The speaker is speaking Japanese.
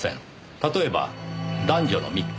例えば男女の密会。